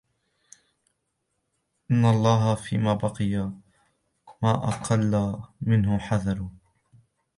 وَإِنَّا لِلَّهِ فِيمَا بَقِيَ مَا أَقَلَّ مِنْهُ الْحَذَرُ